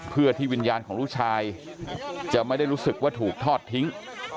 เพื่อที่วิญญาณของลูกชายจะไม่ได้รู้สึกว่าถูกทอดทิ้ง